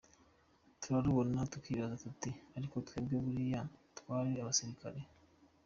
Turarubona tukibaza tuti ‘ariko twebwe buriya twari abasirikare?”